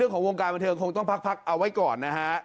ของวงการบันเทิงคงต้องพักเอาไว้ก่อนนะฮะ